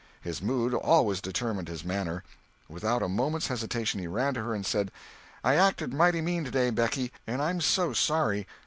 His mood always determined his manner. Without a moment's hesitation he ran to her and said: "I acted mighty mean today, Becky, and I'm so sorry.